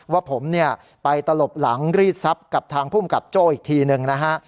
ว่าผมเนี่ยไปตลบหลังรีดทรัพย์กับทางภูมิกับโจ้อีกทีหนึ่งนะฮะ